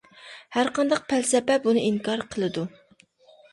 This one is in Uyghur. ھەر قانداق پەلسەپە بۇنى ئىنكار قىلىدۇ.